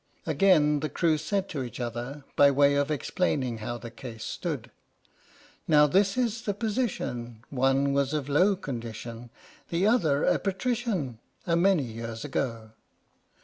Again the crew said to each other, by way of ex plaining how the case stood: Now this is the position — One was of low condition, The other a patrician, A many years ago